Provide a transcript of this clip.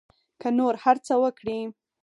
که نور هر څه وکري.